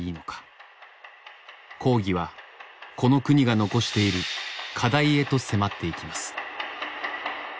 講義はこの国が残している課題へと迫っていきます。